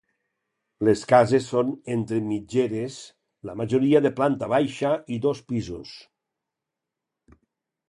Les cases són entre mitgeres, la majoria de planta baixa i dos pisos.